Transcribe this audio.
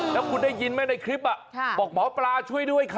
แล้วคุณได้ยินไหมในคลิปบอกหมอปลาช่วยด้วยค่ะ